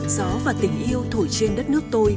gió và tiếng yêu thổi trên đất nước tôi